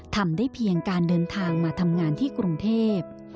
ทำได้เพียงการเดินทางมาทำงานที่กรุงเทพ